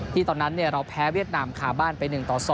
ตอนนั้นเราแพ้เวียดนามคาบ้านไป๑ต่อ๒